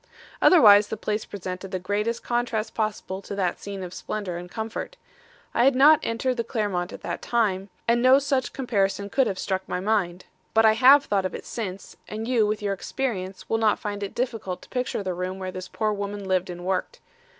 "Otherwise, the place presented the greatest contrast possible to that scene of splendour and comfort. I had not entered the Clermont at that time, and no, such comparison could have struck my mind. But I have thought of it since, and you, with your experience, will not find it difficult to picture the room where this poor woman lived and worked.